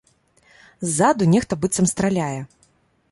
Ззаду нехта быццам страляе.